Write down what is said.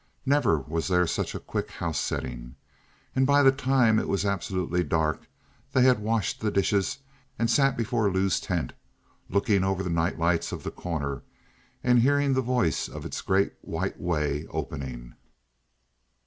Never was there such a quick house settling. And by the time it was absolutely dark they had washed the dishes and sat before Lou's tent looking over the night lights of The Corner and hearing the voice of its Great White Way opening.